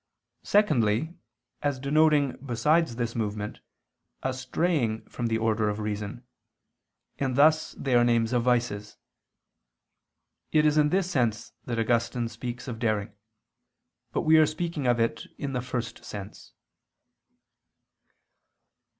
Secondly, as denoting besides this movement, a straying from the order of reason: and thus they are names of vices. It is in this sense that Augustine speaks of daring: but we are speaking of it in the first sense.